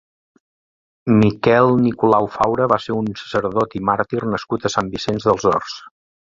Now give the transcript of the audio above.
Miquel Nicolau Faura va ser un sacerdot i màrtir nascut a Sant Vicenç dels Horts.